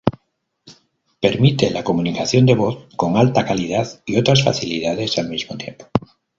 Permite la comunicación de voz con alta calidad y otras facilidades al mismo tiempo.